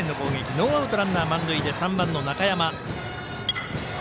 ノーアウト、ランナー、満塁で３番の中山。